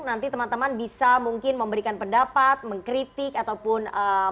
nanti teman teman bisa mungkin memberikan pendapat mengkritik ataupun